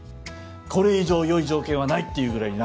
これ以上よい条件はないっていうぐらいにな